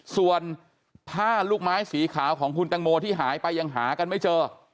ส่วนผ้าลูกไม้สีขาวของคุณตังโมที่หายไปยังหากันไม่เจอ